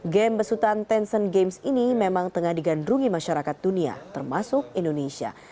game besutan tencent games ini memang tengah digandrungi masyarakat dunia termasuk indonesia